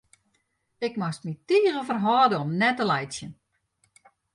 Ik moast my tige ferhâlde om net te laitsjen.